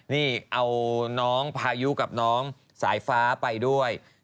นี่เอาน้องพายุกับน้องสายฟ้าไปด้วย